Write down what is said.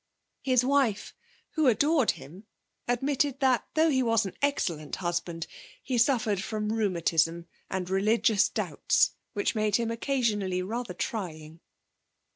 His wife, who adored him, admitted that though he was an excellent husband, he suffered from rheumatism and religious doubts, which made him occasionally rather trying.